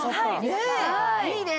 いいね！